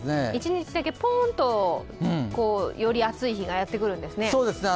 １日だけポーンとより暑い日がやってくるんですね。